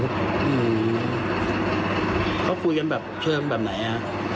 เขาคุยกันแบบเชิงแบบไหนฮะ